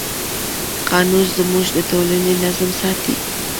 قانون زموږ د ټولنې نظم ساتي.